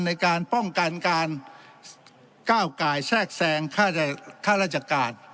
ในการป้องกันการก้าวกายแทรกแทรงค่าราชการ